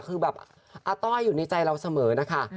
คือแบบอาต้อยอยู่ในใจเราเสมอนะคะ